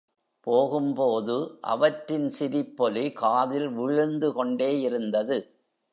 போகும்போது, அவற்றின் சிரிப்பொலி காதில் விழுந்து கொண்டேயிருந்தது.